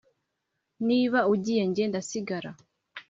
niba ugiye nge ndasigaye,